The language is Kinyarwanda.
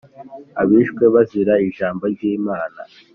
abishwe bazira ijambo ry Imana